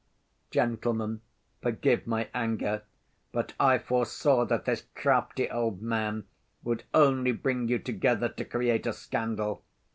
Gentlemen, forgive my anger, but I foresaw that this crafty old man would only bring you together to create a scandal.